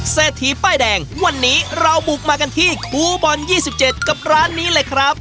เซธีป้ายแดงวันนี้เราบุกมากันที่กูบอลยี่สิบเจ็ดกับร้านนี้เลยครับ